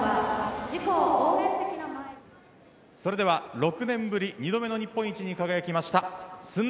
それでは６年ぶり２度目の日本一に輝きました駿台